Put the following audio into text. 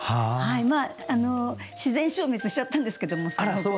まあ自然消滅しちゃったんですけどもそのあと。